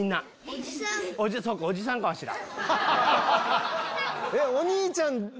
そうかおじさんかワシら。